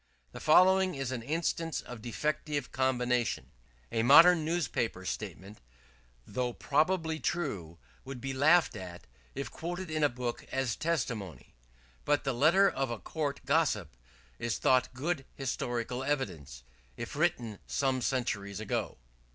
The following is an instance of defective combination: "A modern newspaper statement, though probably true, would be laughed at if quoted in a book as testimony; but the letter of a court gossip is thought good historical evidence, if written some centuries ago."